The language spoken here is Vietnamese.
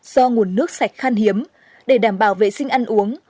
do nguồn nước sạch khan hiếm để đảm bảo vệ sinh ăn uống